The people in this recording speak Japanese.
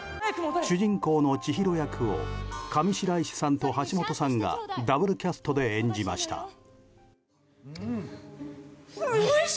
主人公の千尋役を上白石さんと橋本さんがダブルキャストで演じました。